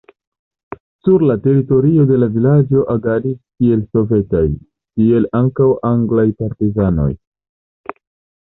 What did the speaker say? Sur la teritorio de la vilaĝo agadis kiel sovetaj, tiel ankaŭ anglaj partizanoj.